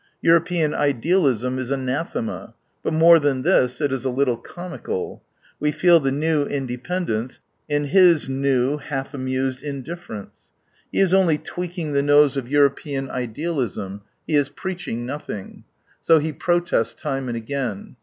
European idealism is anathema. But more than this, it is a little comical. We feel the new independence in his new, half amused indifference. He is only tweaking the nose of European 9 idealism. He is pleaching nothing: se he protests time and again.